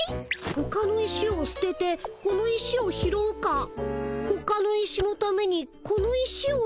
ほかの石をすててこの石を拾うかほかの石のためにこの石をすてるか。